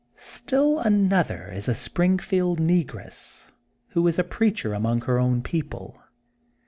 Still another is a Springfield Negress who is a preacher among her own people.